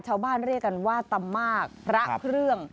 เรียกกันว่าตำมากพระเครื่อง